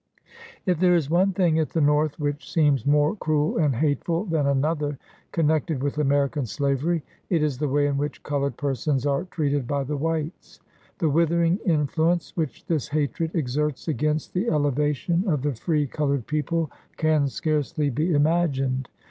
If there is one thing at the North which seems more cruel and hateful than another, connected with Ameri can slavery, it is the way in which colored persons are treated by the whites. The withering influence which this hatred exerts against the elevation of the free col ored people, can scarcely be imagined.